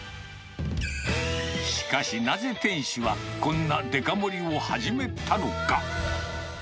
しかしなぜ店主はこんなデカ盛りを始めたのか。